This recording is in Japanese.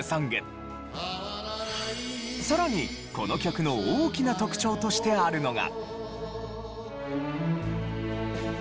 さらにこの曲の大きな特徴としてあるのが。